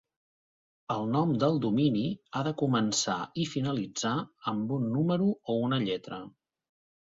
El nom del domini ha de començar i finalitzar amb un número o una lletra.